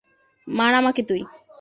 মার আমাকে তুই!